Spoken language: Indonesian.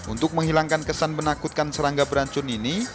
untuk menghilangkan kesan menakutkan serangga beracun ini